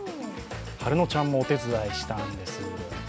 陽乃ちゃんもお手伝いしたんです。